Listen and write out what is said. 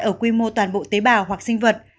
ở quy mô toàn bộ tế bào hoặc sinh vật